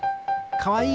かわいい！